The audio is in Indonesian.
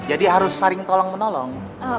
jadi harus saring tolong menolong